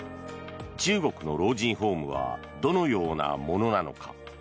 中国の老人ホームはどのようなものなのか。